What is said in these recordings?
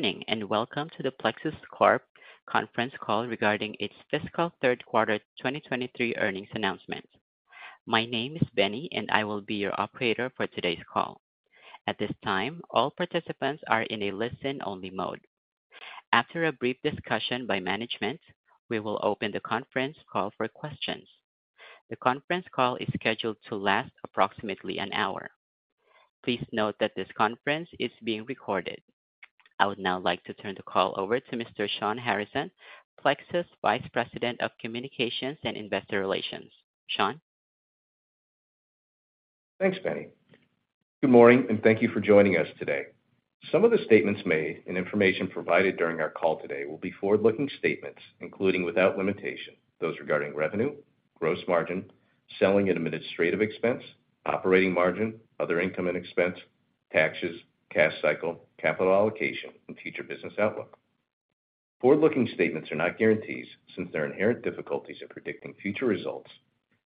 Good morning, welcome to the Plexus Corp conference call regarding its fiscal Q3 2023 earnings announcement. My name is Benny. I will be your operator for today's call. At this time, all participants are in a listen-only mode. After a brief discussion by management, we will open the conference call for questions. The conference call is scheduled to last approximately an hour. Please note that this conference is being recorded. I would now like to turn the call over to Mr. Shawn Harrison, Plexus Vice President of Communications and Investor Relations. Shawn? Thanks, Benny. Good morning, and thank you for joining us today. Some of the statements made and information provided during our call today will be forward-looking statements, including, without limitation, those regarding revenue, gross margin, selling, and administrative expense, operating margin, other income and expense, taxes, cash cycle, capital allocation, and future business outlook. Forward-looking statements are not guarantees since there are inherent difficulties in predicting future results,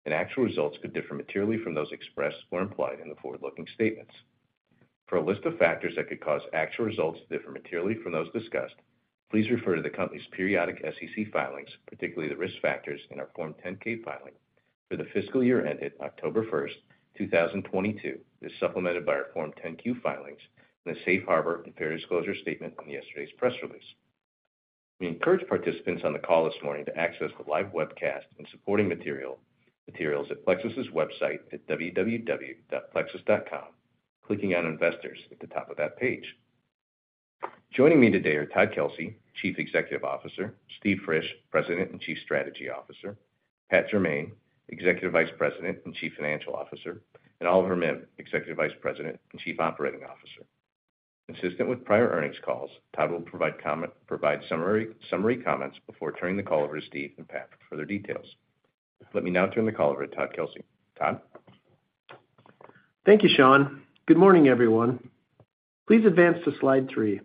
and actual results could differ materially from those expressed or implied in the forward-looking statements. For a list of factors that could cause actual results to differ materially from those discussed, please refer to the company's periodic SEC filings, particularly the risk factors in our Form 10-K filing for the fiscal year ended October first, 2022, as supplemented by our Form 10-Q filings, and the Safe Harbor and Fair Disclosure statement in yesterday's press release. We encourage participants on the call this morning to access the live webcast and supporting materials at Plexus's website at www.plexus.com, clicking on Investors at the top of that page. Joining me today are Todd Kelsey, Chief Executive Officer, Steve Frisch, President and Chief Strategy Officer, Pat Germain, Executive Vice President and Chief Financial Officer, and Oliver Mihm, Executive Vice President and Chief Operating Officer. Consistent with prior earnings calls, Todd will provide summary comments before turning the call over to Steve and Pat for further details. Let me now turn the call over to Todd Kelsey. Todd? Thank you, Shawn. Good morning, everyone. Please advance to slide three.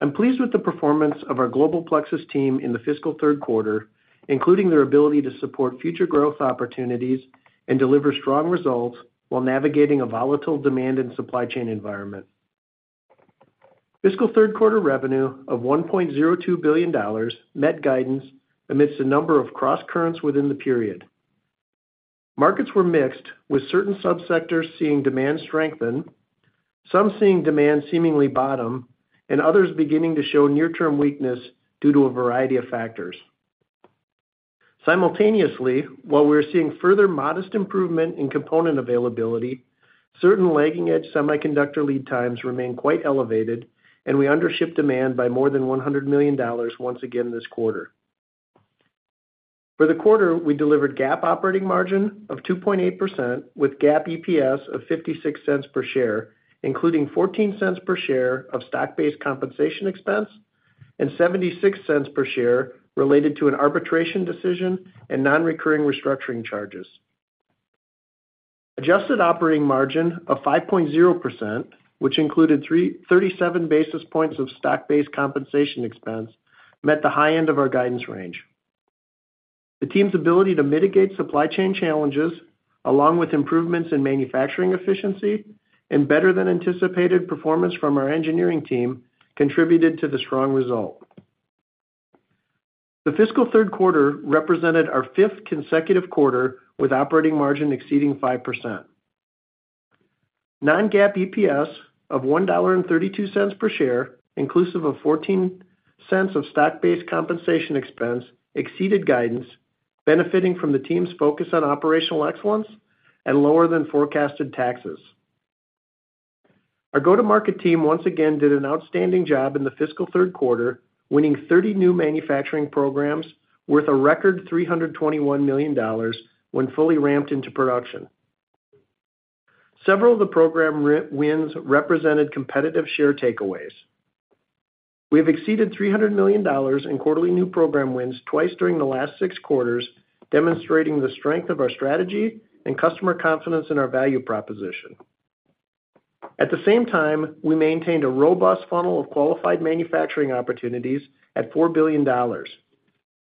I'm pleased with the performance of our global Plexus team in the fiscal Q3, including their ability to support future growth opportunities and deliver strong results while navigating a volatile demand and supply chain environment. Fiscal Q3 revenue of $1.02 billion met guidance amidst a number of crosscurrents within the period. Markets were mixed, with certain sub-sectors seeing demand strengthen, some seeing demand seemingly bottom, and others beginning to show near-term weakness due to a variety of factors. Simultaneously, while we're seeing further modest improvement in component availability, certain lagging edge semiconductor lead times remain quite elevated, and we undershipped demand by more than $100 million once again this quarter. For the quarter, we delivered GAAP operating margin of 2.8%, with GAAP EPS of $0.56 per share, including $0.14 per share of stock-based compensation expense and $0.76 per share related to an arbitration decision and non-recurring restructuring charges. Adjusted operating margin of 5.0%, which included 37 basis points of stock-based compensation expense, met the high end of our guidance range. The team's ability to mitigate supply chain challenges, along with improvements in manufacturing efficiency and better than anticipated performance from our engineering team, contributed to the strong result. The fiscal Q3 represented our fifth consecutive quarter with operating margin exceeding 5%. Non-GAAP EPS of $1.32 per share, inclusive of $0.14 of stock-based compensation expense, exceeded guidance, benefiting from the team's focus on operational excellence and lower than forecasted taxes. Our go-to-market team once again did an outstanding job in the fiscal Q3, winning 30 new manufacturing programs worth a record $321 million when fully ramped into production. Several of the program wins represented competitive share takeaways. We have exceeded $300 million in quarterly new program wins twice during the last six quarters, demonstrating the strength of our strategy and customer confidence in our value proposition. At the same time, we maintained a robust funnel of qualified manufacturing opportunities at $4 billion.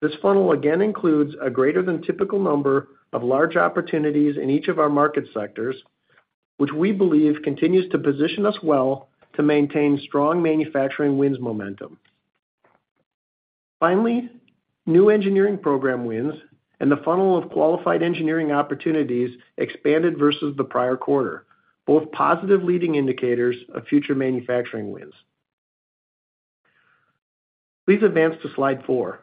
This funnel again includes a greater than typical number of large opportunities in each of our market sectors, which we believe continues to position us well to maintain strong manufacturing wins momentum. Finally, new engineering program wins and the funnel of qualified engineering opportunities expanded versus the prior quarter, both positive leading indicators of future manufacturing wins. Please advance to slide 4.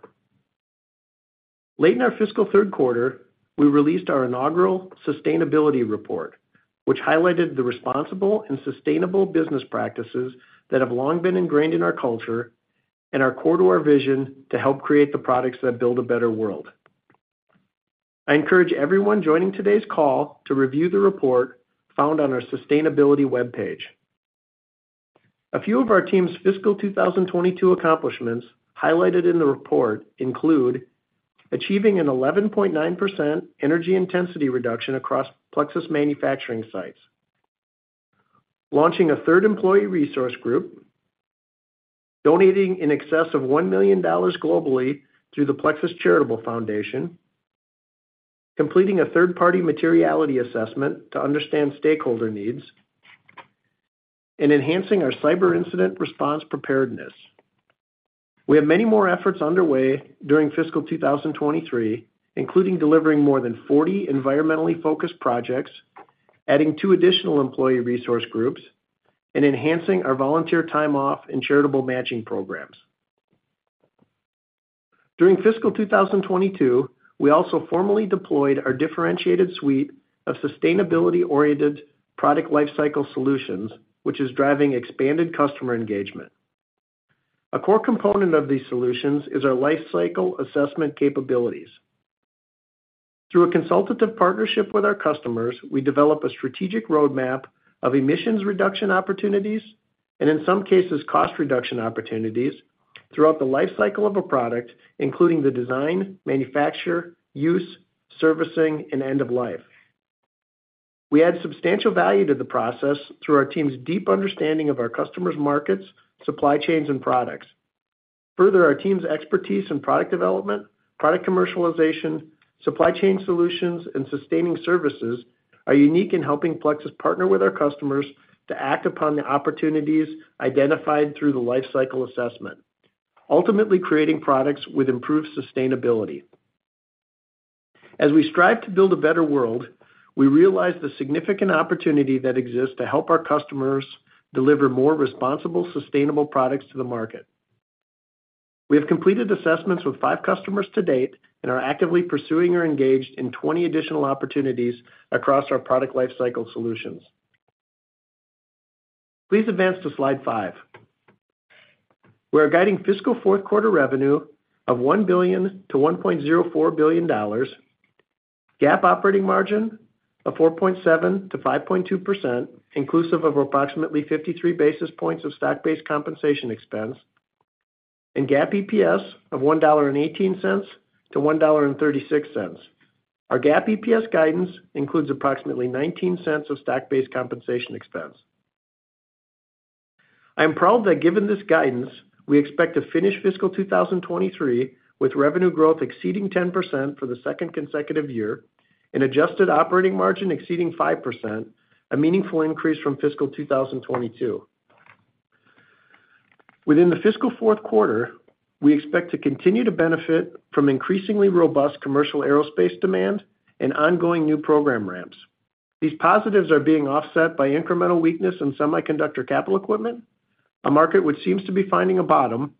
Late in our fiscal Q3, we released our inaugural sustainability report, which highlighted the responsible and sustainable business practices that have long been ingrained in our culture and are core to our vision to help create the products that build a better world. I encourage everyone joining today's call to review the report found on our sustainability webpage. A few of our team's fiscal 2022 accomplishments highlighted in the report include: achieving an 11.9% energy intensity reduction across Plexus manufacturing sites, launching a third employee resource group, donating in excess of $1 million globally through the Plexus Charitable Foundation, completing a third-party materiality assessment to understand stakeholder needs, and enhancing our cyber incident response preparedness. We have many more efforts underway during fiscal 2023, including delivering more than 40 environmentally focused projects, adding 2 additional employee resource groups, and enhancing our volunteer time off and charitable matching programs. During fiscal 2022, we also formally deployed our differentiated suite of sustainability-oriented product lifecycle solutions, which is driving expanded customer engagement. A core component of these solutions is our life cycle assessment capabilities. Through a consultative partnership with our customers, we develop a strategic roadmap of emissions reduction opportunities, and in some cases, cost reduction opportunities, throughout the life cycle of a product, including the design, manufacture, use, servicing, and end of life. We add substantial value to the process through our team's deep understanding of our customers' markets, supply chains, and products. Further, our team's expertise in product development, product commercialization, supply chain solutions, and sustaining services are unique in helping Plexus partner with our customers to act upon the opportunities identified through the life cycle assessment, ultimately creating products with improved sustainability. As we strive to build a better world, we realize the significant opportunity that exists to help our customers deliver more responsible, sustainable products to the market. We have completed assessments with five customers to date and are actively pursuing or engaged in 20 additional opportunities across our product life cycle solutions. Please advance to slide five. We are guiding fiscal Q4 revenue of $1 billion-$1.04 billion, GAAP operating margin of 4.7%-5.2%, inclusive of approximately 53 basis points of stock-based compensation expense, and GAAP EPS of $1.18-$1.36. Our GAAP EPS guidance includes approximately $0.19 of stock-based compensation expense. I am proud that given this guidance, we expect to finish fiscal 2023 with revenue growth exceeding 10% for the second consecutive year and adjusted operating margin exceeding 5%, a meaningful increase from fiscal 2022. Within the fiscal Q4, we expect to continue to benefit from increasingly robust commercial aerospace demand and ongoing new program ramps. These positives are being offset by incremental weakness in semiconductor capital equipment, a market which seems to be finding a bottom,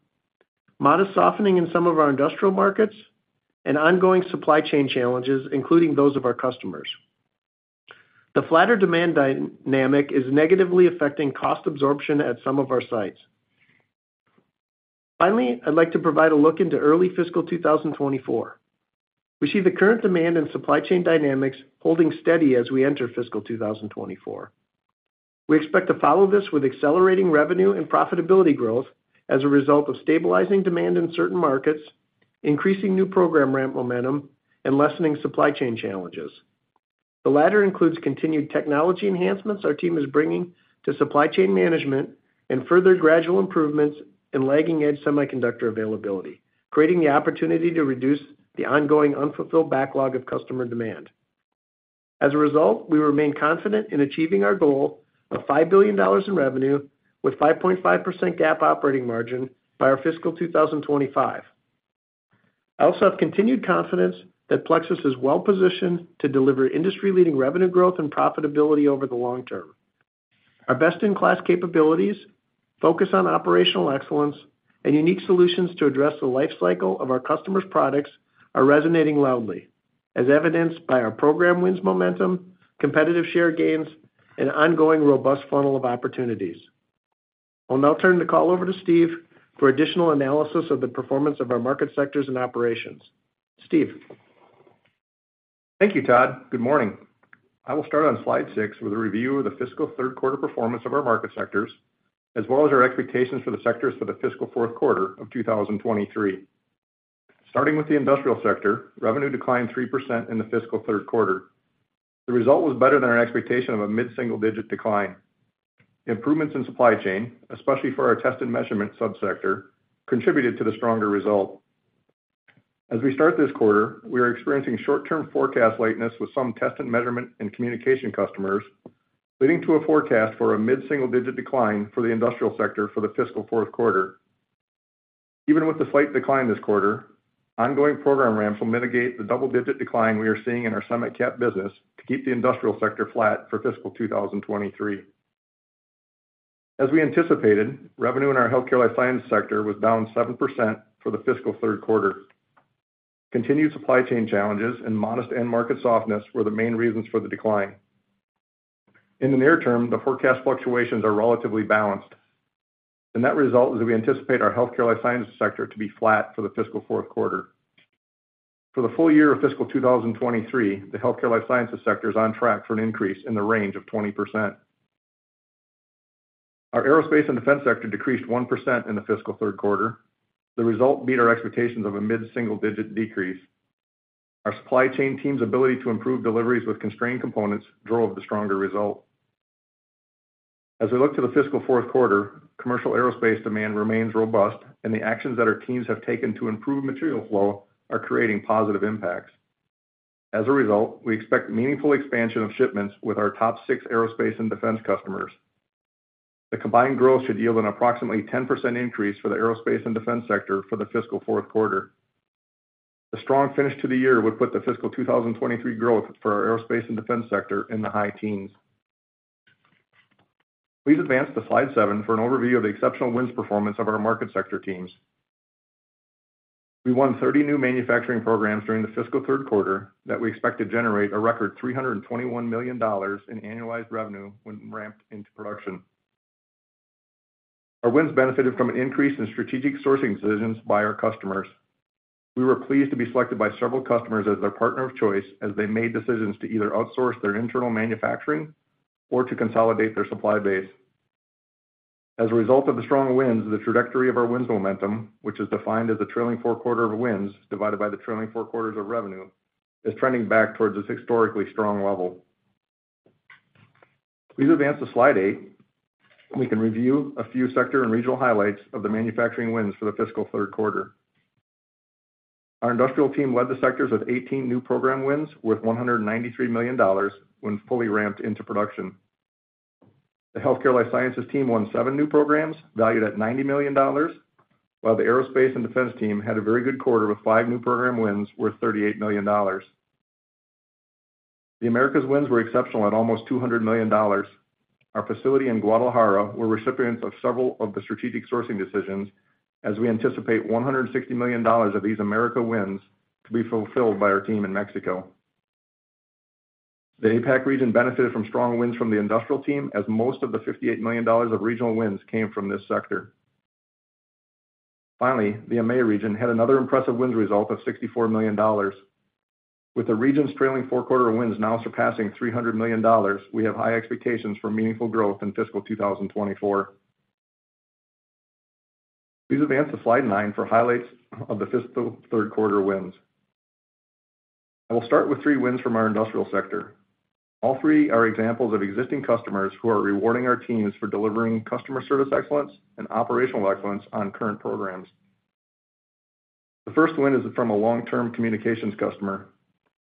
modest softening in some of our industrial markets, and ongoing supply chain challenges, including those of our customers. The flatter demand dynamic is negatively affecting cost absorption at some of our sites. Finally, I'd like to provide a look into early fiscal 2024. We see the current demand and supply chain dynamics holding steady as we enter fiscal 2024. We expect to follow this with accelerating revenue and profitability growth as a result of stabilizing demand in certain markets, increasing new program ramp momentum, and lessening supply chain challenges. The latter includes continued technology enhancements our team is bringing to supply chain management and further gradual improvements in lagging edge semiconductor availability, creating the opportunity to reduce the ongoing unfulfilled backlog of customer demand. As a result, we remain confident in achieving our goal of $5 billion in revenue with 5.5% GAAP operating margin by our fiscal 2025. I also have continued confidence that Plexus is well positioned to deliver industry-leading revenue growth and profitability over the long term. Our best-in-class capabilities, focus on operational excellence, and unique solutions to address the life cycle of our customers' products are resonating loudly, as evidenced by our program wins momentum, competitive share gains, and ongoing robust funnel of opportunities. I'll now turn the call over to Steve for additional analysis of the performance of our market sectors and operations. Steve? Thank you, Todd. Good morning. I will start on slide 6 with a review of the fiscal Q3 performance of our market sectors, as well as our expectations for the sectors for the fiscal Q4 of 2023. Starting with the industrial sector, revenue declined 3% in the fiscal Q3. The result was better than our expectation of a mid-single-digit decline. Improvements in supply chain, especially for our test and measurement subsector, contributed to the stronger result. As we start this quarter, we are experiencing short-term forecast lateness with some test and measurement and communication customers, leading to a forecast for a mid-single-digit decline for the industrial sector for the fiscal Q4. Even with the slight decline this quarter, ongoing program ramps will mitigate the double-digit decline we are seeing in our semi cap business to keep the industrial sector flat for fiscal 2023. As we anticipated, revenue in our healthcare life sciences sector was down 7% for the fiscal Q3. Continued supply chain challenges and modest end market softness were the main reasons for the decline. In the near term, the forecast fluctuations are relatively balanced, and that result is we anticipate our healthcare life sciences sector to be flat for the fiscal Q4. For the full year of fiscal 2023, the healthcare life sciences sector is on track for an increase in the range of 20%. Our aerospace and defense sector decreased 1% in the fiscal Q3. The result beat our expectations of a mid-single-digit decrease. Our supply chain team's ability to improve deliveries with constrained components drove the stronger result. As we look to the fiscal Q4, commercial aerospace demand remains robust, and the actions that our teams have taken to improve material flow are creating positive impacts. As a result, we expect meaningful expansion of shipments with our top six aerospace and defense customers. The combined growth should yield an approximately 10% increase for the aerospace and defense sector for the fiscal Q4. The strong finish to the year would put the fiscal 2023 growth for our aerospace and defense sector in the high teens. Please advance to slide seven for an overview of the exceptional wins performance of our market sector teams. We won 30 new manufacturing programs during the fiscal Q3, that we expect to generate a record $321 million in annualized revenue when ramped into production. Our wins benefited from an increase in strategic sourcing decisions by our customers. We were pleased to be selected by several customers as their partner of choice, as they made decisions to either outsource their internal manufacturing or to consolidate their supply base. As a result of the strong wins, the trajectory of our wins momentum, which is defined as the trailing four quarter of wins, divided by the trailing four quarters of revenue, is trending back towards this historically strong level. Please advance to slide eight. We can review a few sector and regional highlights of the manufacturing wins for the fiscal Q3. Our industrial team led the sectors with 18 new program wins, worth $193 million when fully ramped into production. The healthcare life sciences team won 7 new programs valued at $90 million, while the aerospace and defense team had a very good quarter with 5 new program wins, worth $38 million. The Americas wins were exceptional at almost $200 million. Our facility in Guadalajara were recipients of several of the strategic sourcing decisions, as we anticipate $160 million of these Americas wins to be fulfilled by our team in Mexico. The APAC region benefited from strong wins from the industrial team, as most of the $58 million of regional wins came from this sector. Finally, the EMEA region had another impressive wins result of $64 million. With the region's trailing 4-quarter wins now surpassing $300 million, we have high expectations for meaningful growth in fiscal 2024. Please advance to slide 9 for highlights of the fiscal Q3 wins. I will start with 3 wins from our industrial sector. All 3 are examples of existing customers who are rewarding our teams for delivering customer service excellence and operational excellence on current programs. The first win is from a long-term communications customer.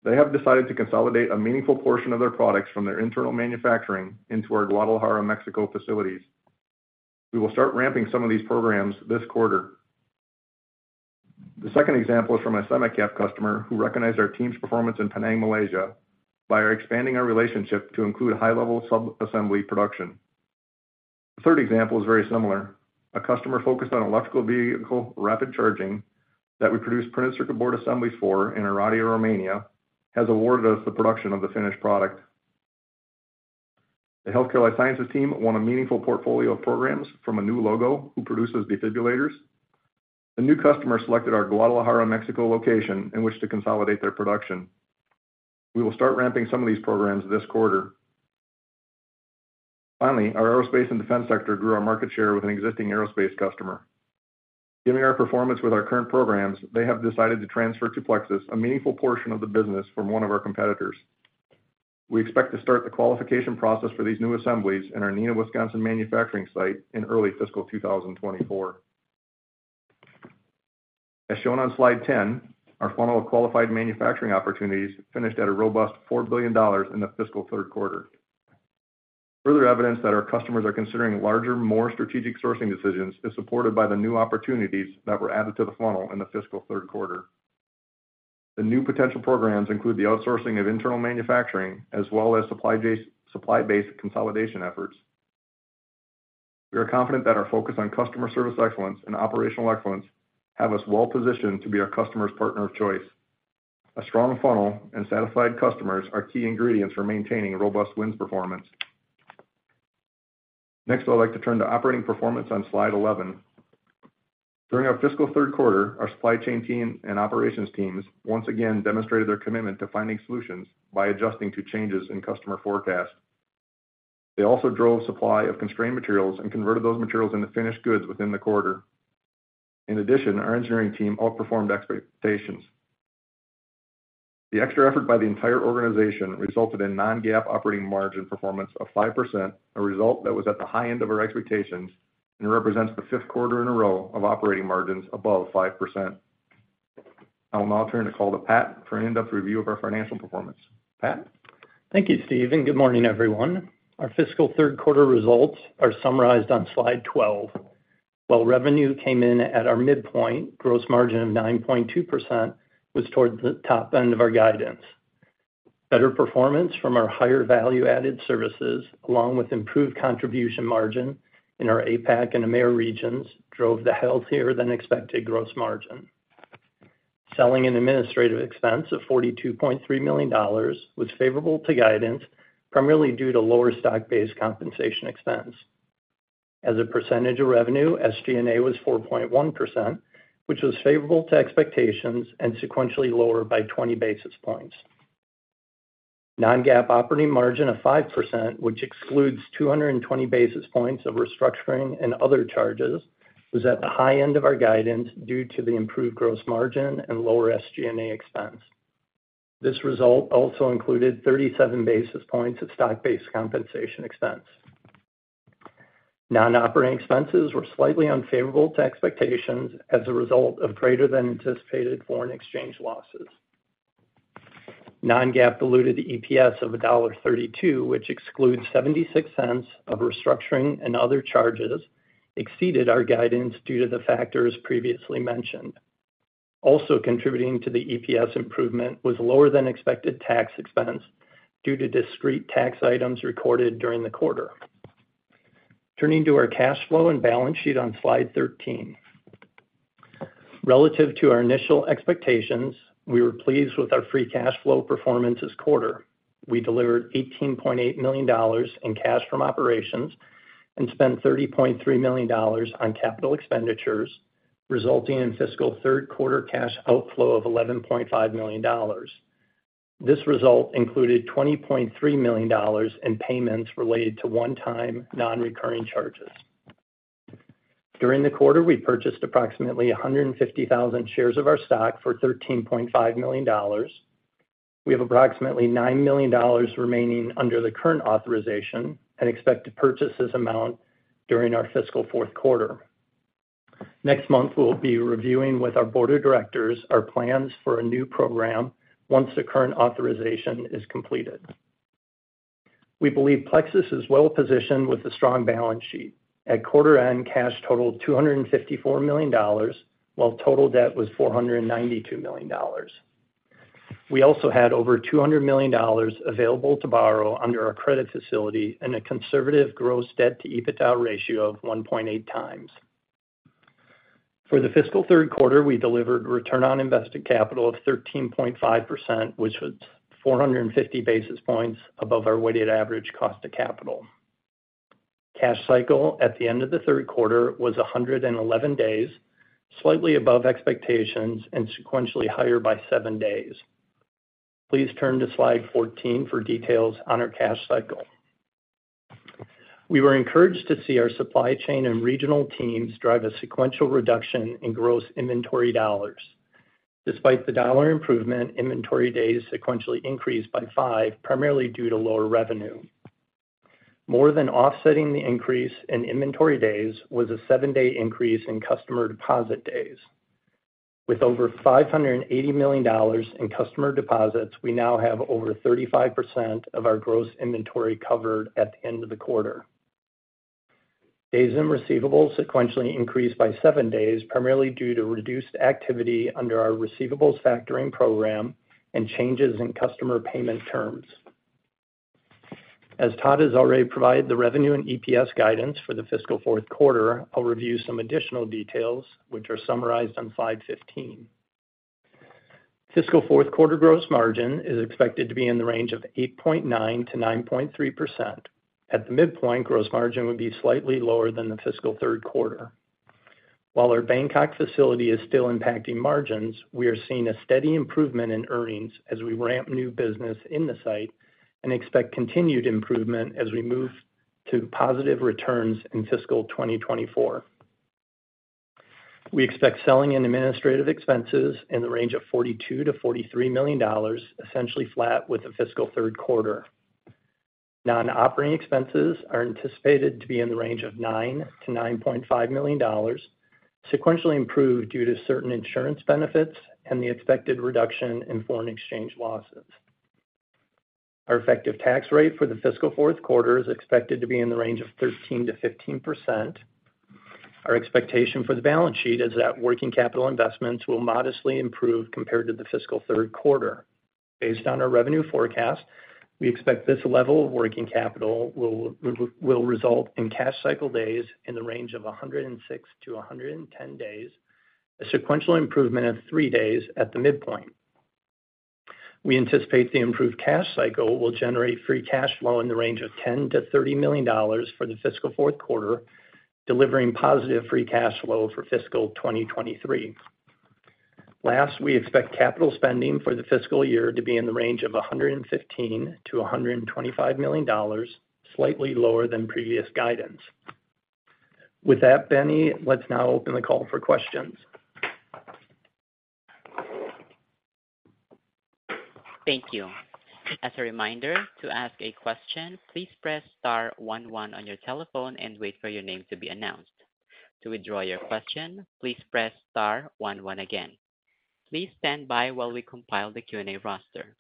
They have decided to consolidate a meaningful portion of their products from their internal manufacturing into our Guadalajara, Mexico, facilities. We will start ramping some of these programs this quarter. The second example is from a semi-cap customer who recognized our team's performance in Penang, Malaysia, by expanding our relationship to include high-level sub-assembly production. The third example is very similar. A customer focused on electrical vehicle rapid charging, that we produce printed circuit board assemblies for in Oradea, Romania, has awarded us the production of the finished product. The healthcare life sciences team won a meaningful portfolio of programs from a new logo, who produces defibrillators. The new customer selected our Guadalajara, Mexico, location in which to consolidate their production. We will start ramping some of these programs this quarter. Finally, our aerospace and defense sector grew our market share with an existing aerospace customer. Given our performance with our current programs, they have decided to transfer to Plexus a meaningful portion of the business from one of our competitors. We expect to start the qualification process for these new assemblies in our Neenah, Wisconsin, manufacturing site in early fiscal 2024. As shown on slide 10, our funnel of qualified manufacturing opportunities finished at a robust $4 billion in the fiscal Q3. Further evidence that our customers are considering larger, more strategic sourcing decisions is supported by the new opportunities that were added to the funnel in the fiscal Q3. The new potential programs include the outsourcing of internal manufacturing, as well as supply-based consolidation efforts. We are confident that our focus on customer service excellence and operational excellence have us well positioned to be our customer's partner of choice. A strong funnel and satisfied customers are key ingredients for maintaining a robust wins performance. I'd like to turn to operating performance on slide 11. During our fiscal Q3, our supply chain team and operations teams once again demonstrated their commitment to finding solutions by adjusting to changes in customer forecast. They also drove supply of constrained materials and converted those materials into finished goods within the quarter. In addition, our engineering team outperformed expectations. The extra effort by the entire organization resulted in non-GAAP operating margin performance of 5%, a result that was at the high end of our expectations and represents the fifth quarter in a row of operating margins above 5%. I will now turn the call to Pat for an in-depth review of our financial performance. Pat? Thank you, Steve. Good morning, everyone. Our fiscal Q3 results are summarized on slide 12. While revenue came in at our midpoint, gross margin of 9.2% was towards the top end of our guidance. Better performance from our higher value-added services, along with improved contribution margin in our APAC and AMER regions, drove the healthier than expected gross margin. Selling and administrative expense of $42.3 million was favorable to guidance, primarily due to lower stock-based compensation expense. As a percentage of revenue, SG&A was 4.1%, which was favorable to expectations and sequentially lower by 20 basis points. Non-GAAP operating margin of 5%, which excludes 220 basis points of restructuring and other charges, was at the high end of our guidance due to the improved gross margin and lower SG&A expense.... This result also included 37 basis points of stock-based compensation expense. Non-operating expenses were slightly unfavorable to expectations as a result of greater than anticipated foreign exchange losses. Non-GAAP diluted EPS of $1.32, which excludes $0.76 of restructuring and other charges, exceeded our guidance due to the factors previously mentioned. Also contributing to the EPS improvement was lower than expected tax expense due to discrete tax items recorded during the quarter. Turning to our cash flow and balance sheet on slide 13. Relative to our initial expectations, we were pleased with our free cash flow performance this quarter. We delivered $18.8 million in cash from operations and spent $30.3 million on capital expenditures, resulting in fiscal Q3 cash outflow of $11.5 million. This result included $20.3 million in payments related to one-time non-recurring charges. During the quarter, we purchased approximately 150,000 shares of our stock for $13.5 million. We have approximately $9 million remaining under the current authorization and expect to purchase this amount during our fiscal Q4. Next month, we'll be reviewing with our board of directors our plans for a new program once the current authorization is completed. We believe Plexus is well positioned with a strong balance sheet. At quarter end, cash totaled $254 million, while total debt was $492 million. We also had over $200 million available to borrow under our credit facility and a conservative gross debt to EBITDA ratio of 1.8 times. For the fiscal Q3, we delivered return on invested capital of 13.5%, which was 450 basis points above our weighted average cost of capital. Cash cycle at the end of the Q3 was 111 days, slightly above expectations and sequentially higher by 7 days. Please turn to slide 14 for details on our cash cycle. We were encouraged to see our supply chain and regional teams drive a sequential reduction in gross inventory dollars. Despite the dollar improvement, inventory days sequentially increased by 5, primarily due to lower revenue. More than offsetting the increase in inventory days was a 7-day increase in customer deposit days. With over $580 million in customer deposits, we now have over 35% of our gross inventory covered at the end of the quarter. Days in receivables sequentially increased by seven days, primarily due to reduced activity under our receivables factoring program and changes in customer payment terms. As Todd has already provided the revenue and EPS guidance for the fiscal Q4, I'll review some additional details, which are summarized on slide 15. Fiscal Q4 gross margin is expected to be in the range of 8.9%-9.3%. At the midpoint, gross margin would be slightly lower than the fiscal Q3. While our Bangkok facility is still impacting margins, we are seeing a steady improvement in earnings as we ramp new business in the site and expect continued improvement as we move to positive returns in fiscal 2024. We expect selling and administrative expenses in the range of $42 million-$43 million, essentially flat with the fiscal Q3. Non-operating expenses are anticipated to be in the range of $9 million-$9.5 million, sequentially improved due to certain insurance benefits and the expected reduction in foreign exchange losses. Our effective tax rate for the fiscal Q4 is expected to be in the range of 13%-15%. Our expectation for the balance sheet is that working capital investments will modestly improve compared to the fiscal Q3. Based on our revenue forecast, we expect this level of working capital will result in cash cycle days in the range of 106-110 days, a sequential improvement of 3 days at the midpoint. We anticipate the improved cash cycle will generate free cash flow in the range of $10 million-$30 million for the fiscal Q4, delivering positive free cash flow for fiscal 2023. Last, we expect capital spending for the fiscal year to be in the range of $115 million-$125 million, slightly lower than previous guidance. With that, Benny, let's now open the call for questions. Thank you. As a reminder, to ask a question, please press star one one on your telephone and wait for your name to be announced. To withdraw your question, please press star one one again. Please stand by while we compile the Q&A roster.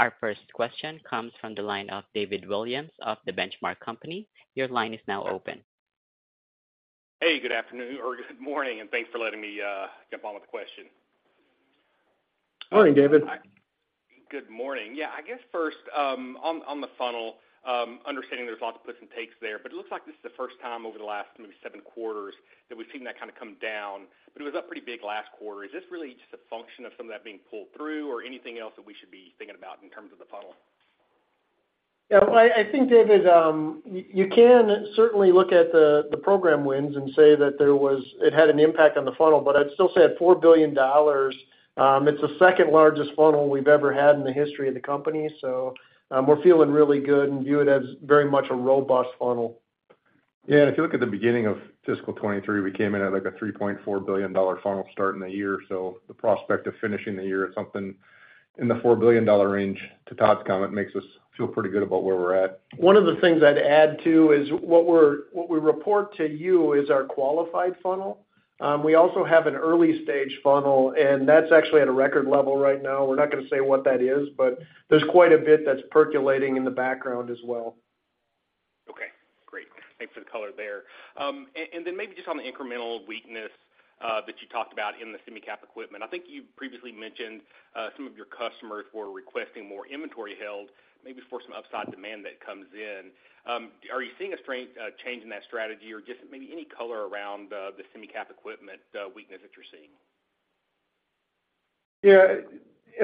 Our first question comes from the line of David Williams of The Benchmark Company. Your line is now open. Hey, good afternoon, or good morning, thanks for letting me jump on with the question. Morning, David. Good morning. Yeah, I guess first, on the funnel, understanding there's lots of puts and takes there, but it looks like this is the first time over the last maybe seven quarters that we've seen that kind of come down, but it was up pretty big last quarter. Is this really just a function of some of that being pulled through, or anything else that we should be thinking about in terms of the funnel? Well, I think, David, you can certainly look at the program wins and say that it had an impact on the funnel, I'd still say at $4 billion, it's the second largest funnel we've ever had in the history of the company. We're feeling really good and view it as very much a robust funnel.... Yeah, if you look at the beginning of fiscal 2023, we came in at, like, a $3.4 billion funnel start in the year. The prospect of finishing the year at something in the $4 billion range, to Todd's comment, makes us feel pretty good about where we're at. One of the things I'd add, too, is what we report to you is our qualified funnel. We also have an early-stage funnel, that's actually at a record level right now. We're not gonna say what that is, there's quite a bit that's percolating in the background as well. Okay, great. Thanks for the color there. Maybe just on the incremental weakness that you talked about in the semi cap equipment. I think you previously mentioned some of your customers were requesting more inventory held, maybe for some upside demand that comes in. Are you seeing a strength change in that strategy or just maybe any color around the semi cap equipment weakness that you're seeing? Yeah,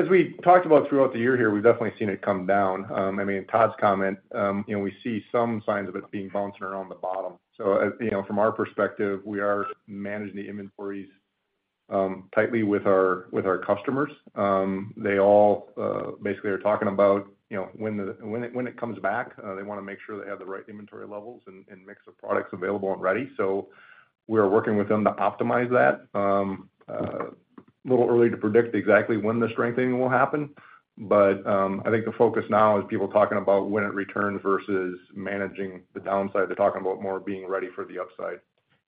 as we talked about throughout the year here, we've definitely seen it come down. I mean, Todd's comment, you know, we see some signs of it being bouncing around the bottom. As, you know, from our perspective, we are managing the inventories tightly with our, with our customers. They all basically are talking about, you know, when it comes back, they wanna make sure they have the right inventory levels and mix of products available and ready. We're working with them to optimize that. A little early to predict exactly when the strengthening will happen, but I think the focus now is people talking about when it returns versus managing the downside. They're talking about more being ready for the upside.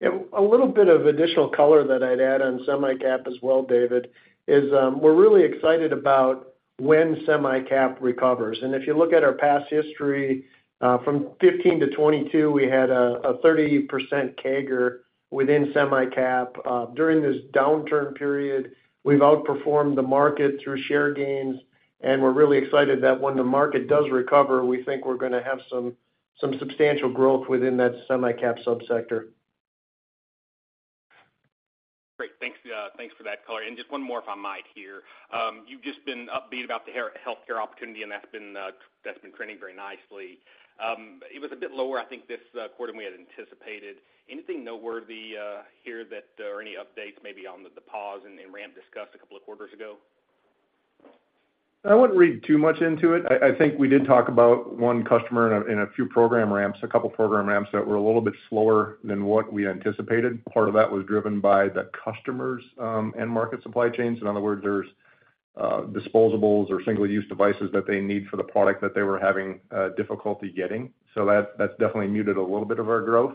Yeah, a little bit of additional color that I'd add on semi cap as well, David, is we're really excited about when semi cap recovers. If you look at our past history, from 15 to 22, we had a 30% CAGR within semi cap. During this downturn period, we've outperformed the market through share gains, we're really excited that when the market does recover, we think we're gonna have some substantial growth within that semi cap subsector. Great. Thanks for that color. Just one more, if I might, here. You've just been upbeat about the healthcare opportunity, and that's been trending very nicely. It was a bit lower, I think, this quarter than we had anticipated. Anything noteworthy here that, or any updates maybe on the pause and ramp discussed a couple of quarters ago? I wouldn't read too much into it. I think we did talk about one customer in a, in a few program ramps, a couple of program ramps, that were a little bit slower than what we anticipated. Part of that was driven by the customers' end market supply chains. In other words, there's disposables or single-use devices that they need for the product that they were having difficulty getting. That, that's definitely muted a little bit of our growth.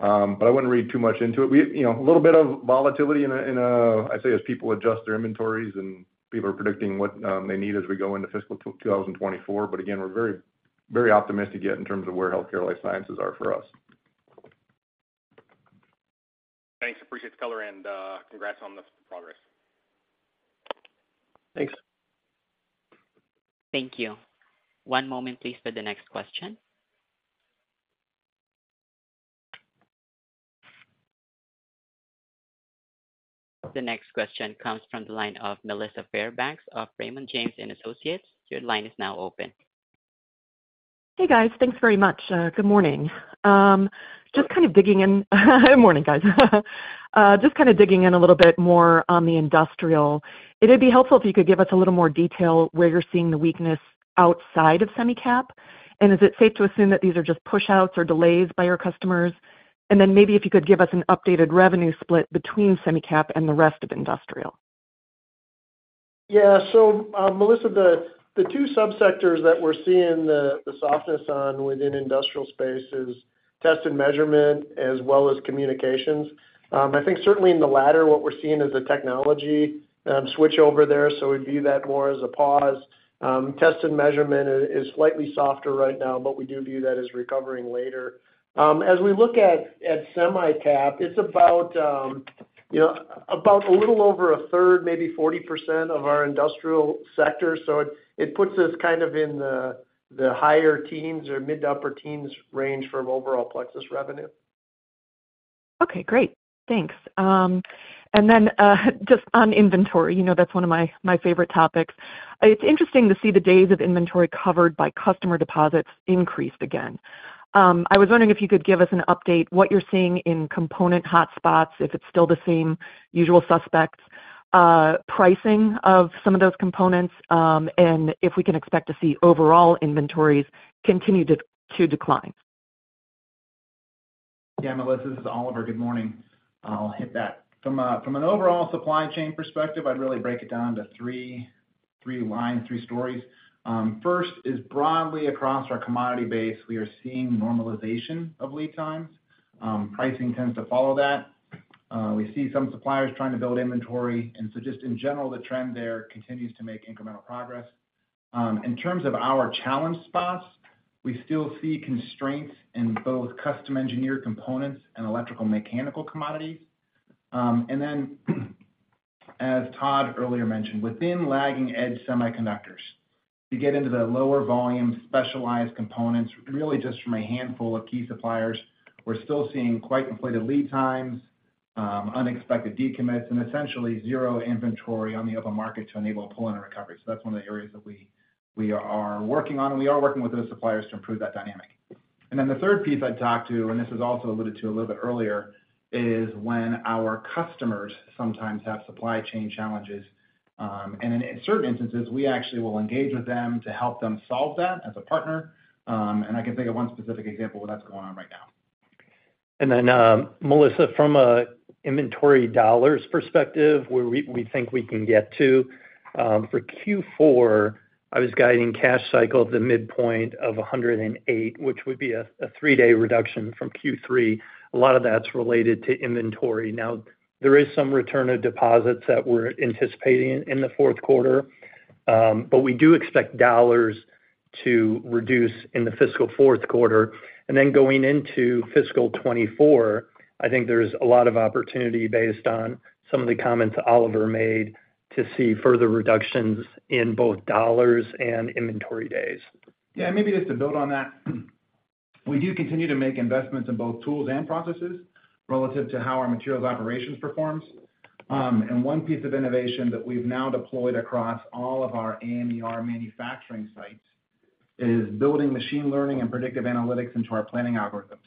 I wouldn't read too much into it. We, you know, a little bit of volatility in a, I'd say, as people adjust their inventories and people are predicting what they need as we go into fiscal 2024. Again, we're very, very optimistic yet in terms of where healthcare life sciences are for us. Thanks, appreciate the color, and, congrats on the progress. Thanks. Thank you. One moment, please, for the next question. The next question comes from the line of Melissa Fairbanks of Raymond James & Associates. Your line is now open. Hey, guys. Thanks very much. Good morning. Just kind of digging in a little bit more on the industrial. It'd be helpful if you could give us a little more detail where you're seeing the weakness outside of semi cap? Is it safe to assume that these are just push outs or delays by your customers? Maybe if you could give us an updated revenue split between semi cap and the rest of industrial? Melissa, the two subsectors that we're seeing the softness on within industrial space is test and measurement, as well as communications. I think certainly in the latter, what we're seeing is a technology switch over there, so we'd view that more as a pause. Test and measurement is slightly softer right now, but we do view that as recovering later. As we look at semi cap, it's about, you know, about a little over a third, maybe 40% of our industrial sector. It puts us kind of in the higher teens or mid-upper teens range from overall Plexus revenue. Okay, great. Thanks. Just on inventory, you know that's one of my favorite topics. It's interesting to see the days of inventory covered by customer deposits increased again. I was wondering if you could give us an update, what you're seeing in component hotspots, if it's still the same usual suspects, pricing of some of those components, and if we can expect to see overall inventories continue to decline? Yeah, Melissa, this is Oliver. Good morning. I'll hit that. From an overall supply chain perspective, I'd really break it down into three lines, three stories. First is broadly across our commodity base, we are seeing normalization of lead times. Pricing tends to follow that. We see some suppliers trying to build inventory, just in general, the trend there continues to make incremental progress. In terms of our challenge spots, we still see constraints in both custom engineered components and electrical mechanical commodities. As Todd earlier mentioned, within lagging edge semiconductors, you get into the lower volume, specialized components, really just from a handful of key suppliers. We're still seeing quite inflated lead times, unexpected decommits, and essentially zero inventory on the open market to enable a pull-in recovery. That's one of the areas that we are working on, and we are working with those suppliers to improve that dynamic. The third piece I'd talk to, and this was also alluded to a little bit earlier, is when our customers sometimes have supply chain challenges. In certain instances, we actually will engage with them to help them solve that as a partner. I can think of one specific example where that's going on right now. Melissa, from an inventory dollars perspective, where we, we think we can get to for Q4, I was guiding cash cycle at the midpoint of 108, which would be a three-day reduction from Q3. A lot of that's related to inventory. There is some return of deposits that we're anticipating in the Q4, but we do expect dollars to reduce in the fiscal Q4. Going into fiscal 2024, I think there's a lot of opportunity based on some of the comments Oliver made, to see further reductions in both dollars and inventory days. Yeah, maybe just to build on that. We do continue to make investments in both tools and processes relative to how our materials operations performs. One piece of innovation that we've now deployed across all of our AMER manufacturing sites is building machine learning and predictive analytics into our planning algorithms.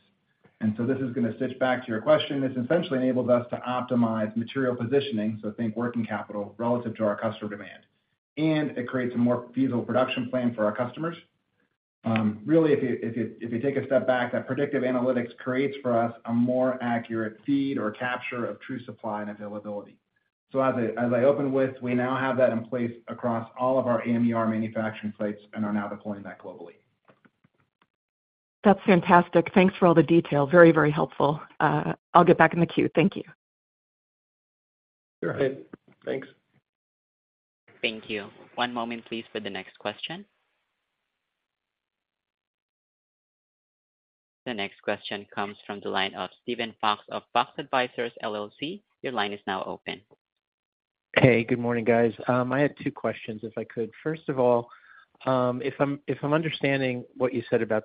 This is going to stitch back to your question. This essentially enables us to optimize material positioning, so think working capital relative to our customer demand, and it creates a more feasible production plan for our customers. Really, if you take a step back, that predictive analytics creates for us a more accurate feed or capture of true supply and availability. As I opened with, we now have that in place across all of our AMER manufacturing sites and are now deploying that globally. That's fantastic. Thanks for all the detail. Very, very helpful. I'll get back in the queue. Thank you. Sure. Thanks. Thank you. One moment, please, for the next question. The next question comes from the line of Steven Fox of Fox Advisors LLC. Your line is now open. Hey, good morning, guys. I had two questions, if I could. First of all, if I'm, if I'm understanding what you said about,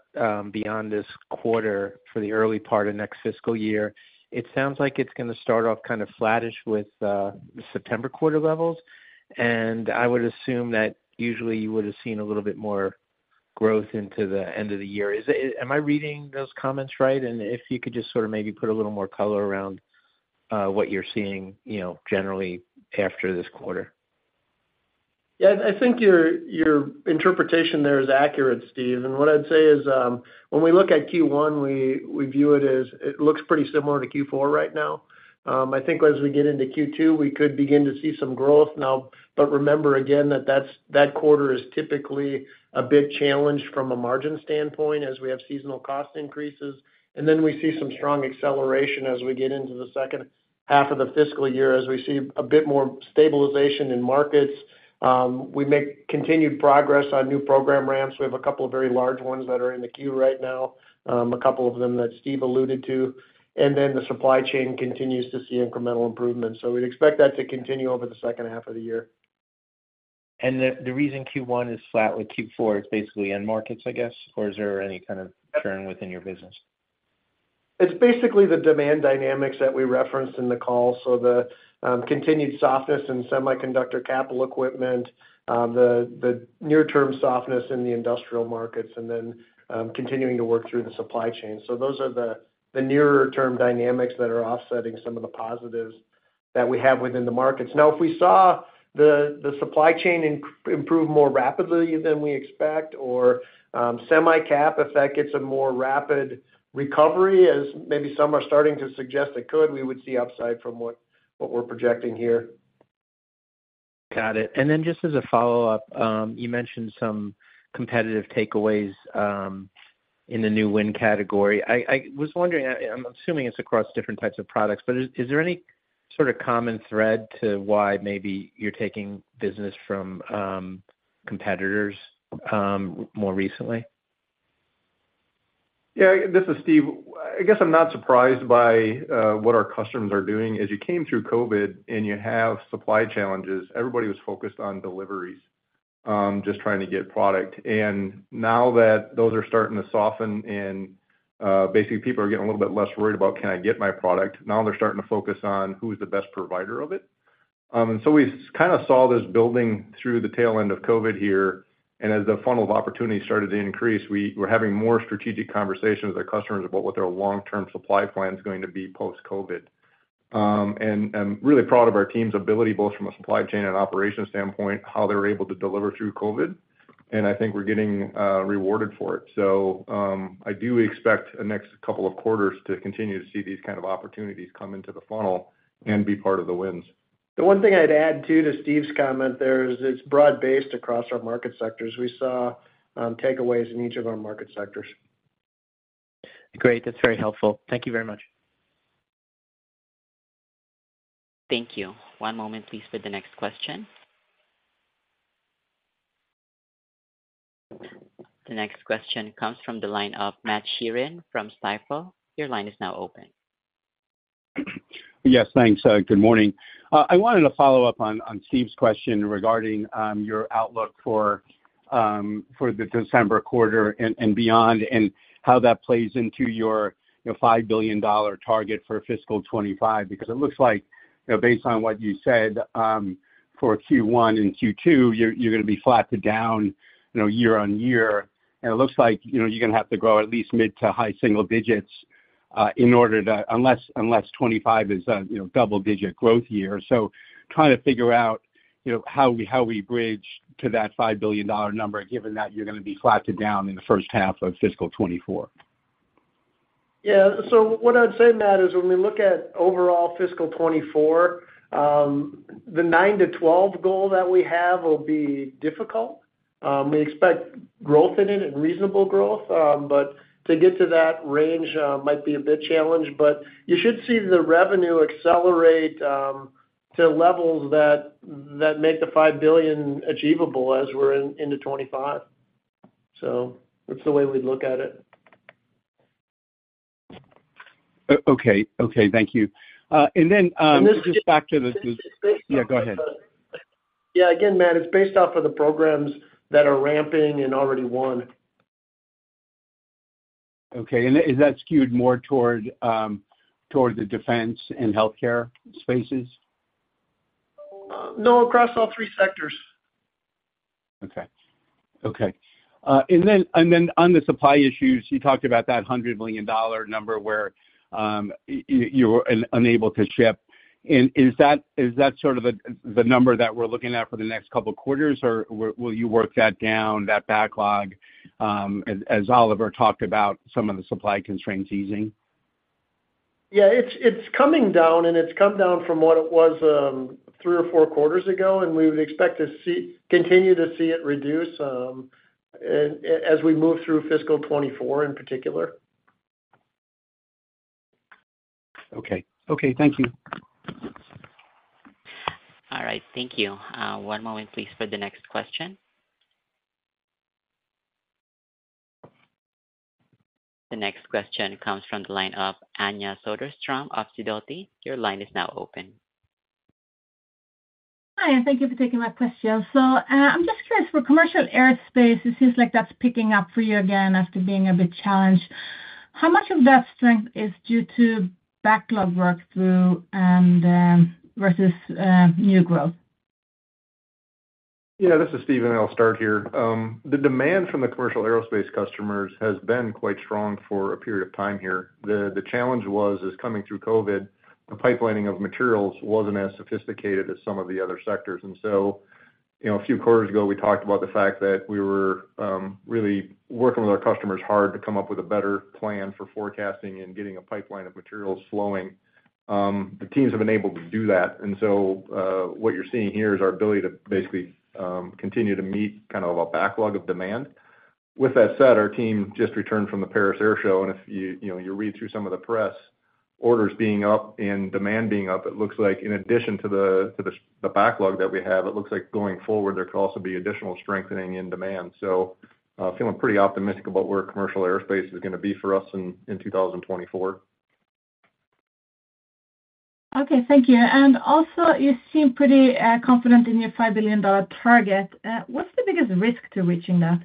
beyond this quarter for the early part of next fiscal year, it sounds like it's going to start off kind of flattish with the September quarter levels. I would assume that usually you would have seen a little bit more growth into the end of the year. Am I reading those comments right? If you could just sort of maybe put a little more color around, what you're seeing, you know, generally after this quarter. Yeah, I think your interpretation there is accurate, Steve. What I'd say is, when we look at Q1, we view it as it looks pretty similar to Q4 right now. I think as we get into Q2, we could begin to see some growth now. Remember, again, that quarter is typically a big challenge from a margin standpoint as we have seasonal cost increases, and then we see some strong acceleration as we get into the second half of the fiscal year. As we see a bit more stabilization in markets, we make continued progress on new program ramps. We have a couple of very large ones that are in the queue right now, a couple of them that Steve alluded to. The supply chain continues to see incremental improvement. We'd expect that to continue over the second half of the year. The reason Q1 is flat with Q4 is basically end markets, I guess? Or is there any kind of turn within your business? It's basically the demand dynamics that we referenced in the call. The continued softness in semiconductor capital equipment, the near-term softness in the industrial markets, continuing to work through the supply chain. Those are the nearer-term dynamics that are offsetting some of the positives that we have within the markets. If we saw the supply chain improve more rapidly than we expect or semi cap, if that gets a more rapid recovery, as maybe some are starting to suggest it could, we would see upside from what we're projecting here. Got it. Just as a follow-up, you mentioned some competitive takeaways in the new win category. I was wondering, I'm assuming it's across different types of products, but is there any sort of common thread to why maybe you're taking business from competitors more recently? Yeah, this is Steve. I guess I'm not surprised by what our customers are doing. As you came through COVID and you have supply challenges, everybody was focused on deliveries, just trying to get product. Now that those are starting to soften and basically people are getting a little bit less worried about, "Can I get my product?" Now they're starting to focus on: who is the best provider of it. We kind of saw this building through the tail end of COVID here, and as the funnel of opportunity started to increase, we're having more strategic conversations with our customers about what their long-term supply plan is going to be post-COVID. I'm really proud of our team's ability, both from a supply chain and operations standpoint, how they were able to deliver through COVID, and I think we're getting rewarded for it. I do expect the next couple of quarters to continue to see these kind of opportunities come into the funnel and be part of the wins. The one thing I'd add, too, to Steve's comment there is, it's broad-based across our market sectors. We saw takeaways in each of our market sectors. Great. That's very helpful. Thank you very much. Thank you. One moment, please, for the next question. The next question comes from the line of Matthew Sheerin from Stifel. Your line is now open. Yes, thanks. Good morning. I wanted to follow up on Steve's question regarding your outlook for the December quarter and beyond, and how that plays into your, you know, $5 billion target for fiscal 2025. It looks like, you know, based on what you said, for Q1 and Q2, you're, you're going to be flat to down, you know, year-on-year. It looks like, you know, you're going to have to grow at least mid to high single digits, in order to unless 2025 is a, you know, double-digit growth year. Trying to figure out, you know, how we bridge to that $5 billion number, given that you're going to be flat to down in the first half of fiscal 2024. What I'd say, Matt, is when we look at overall fiscal 2024, the 9-12 goal that we have will be difficult. We expect growth in it and reasonable growth, but to get to that range might be a bit challenged. You should see the revenue accelerate to levels that make the $5 billion achievable as we're in, into 2025. That's the way we look at it. Okay. Okay, thank you. Just back to the- Yeah, go ahead. Yeah, again, Matt, it's based off of the programs that are ramping and already won. Okay. Is that skewed more toward, toward the defense and healthcare spaces? no, across all three sectors. Okay. Okay. Then on the supply issues, you talked about that $100 million number where you were unable to ship. Is that sort of the number that we're looking at for the next couple of quarters, or will you work that down, that backlog, as Oliver talked about some of the supply constraints easing? Yeah, it's coming down. It's come down from what it was, 3 or 4 quarters ago. We would expect to continue to see it reduce, as we move through fiscal 2024 in particular. Okay. Okay, thank you. All right. Thank you. 1 moment, please, for the next question. The next question comes from the line of Anja Soderstrom of Sidoti. Your line is now open. Hi, and thank you for taking my question. I'm just curious, for commercial airspace, it seems like that's picking up for you again after being a bit challenged. How much of that strength is due to backlog work through and versus new growth? I'll start here. The demand from the commercial aerospace customers has been quite strong for a period of time here. The challenge was, coming through COVID, the pipelining of materials wasn't as sophisticated as some of the other sectors. You know, a few quarters ago, we talked about the fact that we were really working with our customers hard to come up with a better plan for forecasting and getting a pipeline of materials flowing. The teams have been able to do that, what you're seeing here is our ability to basically continue to meet kind of a backlog of demand. With that said, our team just returned from the Paris Air Show, and if you, you know, you read through some of the press, orders being up and demand being up, it looks like in addition to the backlog that we have, it looks like going forward, there could also be additional strengthening in demand. Feeling pretty optimistic about where commercial aerospace is gonna be for us in 2024. Okay, thank you. You seem pretty confident in your $5 billion target. What's the biggest risk to reaching that?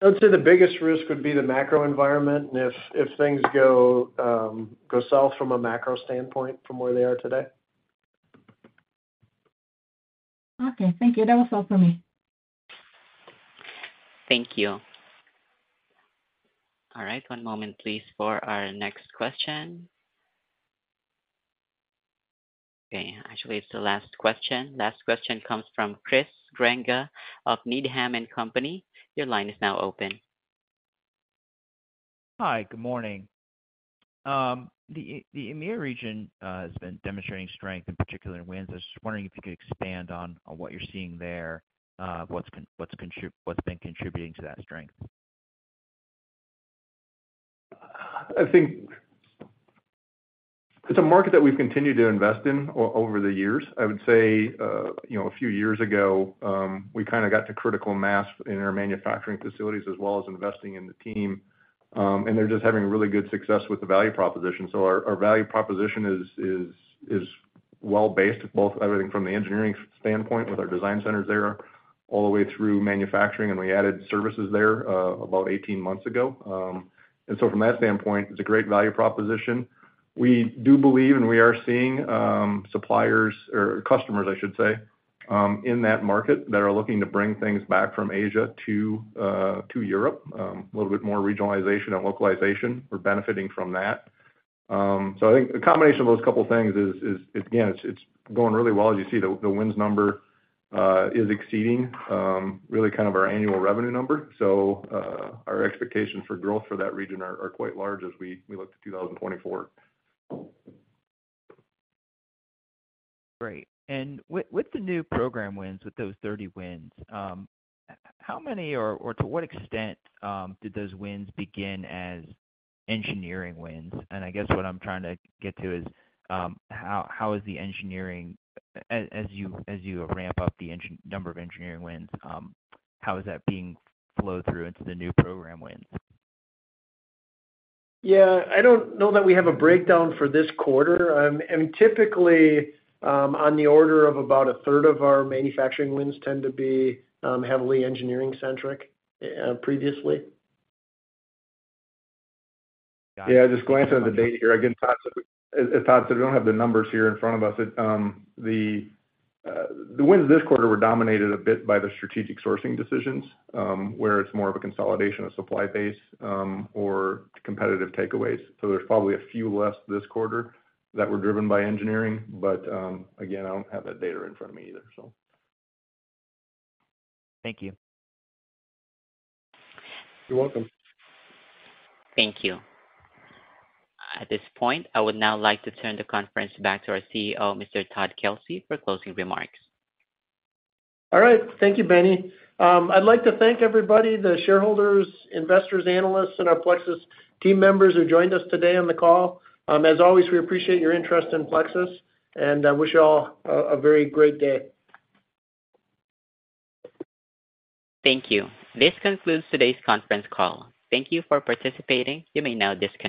I'd say the biggest risk would be the macro environment, and if things go, go south from a macro standpoint from where they are today. Okay, thank you. That was all for me. Thank you. All right, one moment, please, for our next question. Okay, actually, it's the last question. Last question comes from Christopher Grenga of Needham & Company. Your line is now open. Hi, good morning. The EMEA region has been demonstrating strength, in particular in wins. I was just wondering if you could expand on what you're seeing there, what's been contributing to that strength? I think it's a market that we've continued to invest in over the years. I would say, you know, a few years ago, we kinda got to critical mass in our manufacturing facilities, as well as investing in the team. They're just having really good success with the value proposition. Our value proposition is well-based, both everything from the engineering standpoint with our design centers there, all the way through manufacturing, and we added services there, about 18 months ago. From that standpoint, it's a great value proposition. We do believe, and we are seeing, suppliers or customers, I should say, in that market that are looking to bring things back from Asia to Europe. A little bit more regionalization and localization. We're benefiting from that. I think a combination of those couple of things is, again, it's going really well. As you see, the wins number is exceeding really kind of our annual revenue number. Our expectations for growth for that region are quite large as we look to 2024. Great. With the new program wins, with those 30 wins, how many or to what extent did those wins begin as engineering wins? I guess what I'm trying to get to is, how is the engineering number of engineering wins, how is that being flowed through into the new program wins? Yeah, I don't know that we have a breakdown for this quarter. I mean, typically, on the order of about a third of our manufacturing wins tend to be heavily engineering-centric, previously. Yeah, just glancing at the data here, again, Todd, we don't have the numbers here in front of us. The wins this quarter were dominated a bit by the strategic sourcing decisions, where it's more of a consolidation of supply base, or competitive takeaways. There's probably a few less this quarter that were driven by engineering, but again, I don't have that data in front of me either. Thank you. You're welcome. Thank you. At this point, I would now like to turn the conference back to our CEO, Mr. Todd Kelsey, for closing remarks. All right. Thank you, Benny. I'd like to thank everybody, the shareholders, investors, analysts, and our Plexus team members who joined us today on the call. As always, we appreciate your interest in Plexus, and I wish you all a very great day. Thank you. This concludes today's conference call. Thank you for participating. You may now disconnect.